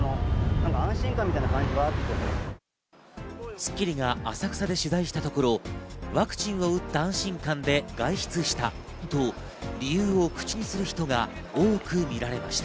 『スッキリ』が浅草で取材したところワクチンを打った安心感で外出したと理由を口にする人が多く見られました。